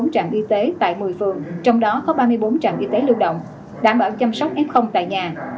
bốn mươi bốn trạng y tế tại một mươi phường trong đó có ba mươi bốn trạng y tế lưu động đảm bảo chăm sóc f tại nhà